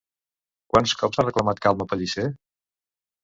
Quants cops ha reclamat calma Pellicer?